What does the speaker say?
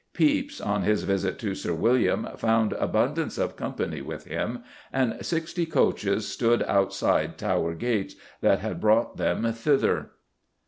Pepys, on his visit to Sir William, found "abundance of company with him," and sixty coaches stood outside Tower gates "that had brought them thither."